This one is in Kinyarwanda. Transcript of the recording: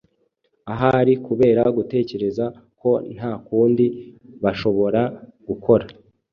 Ahari kubera gutekereza ko nta kundi bashobora gukora,